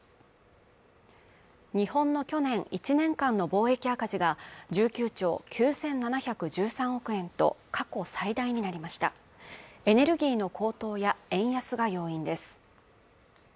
日本の去年１年間の貿易赤字が１９兆９７１３億円と過去最大になりましたエネルギーの高騰や円安が要因です